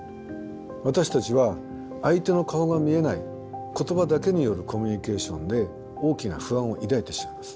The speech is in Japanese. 私たちは相手の顔が見えない言葉だけによるコミュニケーションで大きな不安を抱いてしまいます。